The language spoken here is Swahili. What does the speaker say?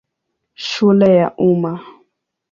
Shule ya Umma.